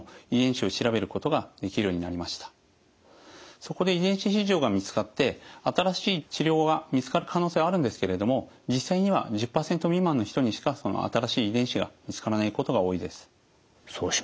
そこで遺伝子異常が見つかって新しい治療が見つかる可能性はあるんですけれども実際には１０％未満の人にしか新しい遺伝子が見つからないことが多いです。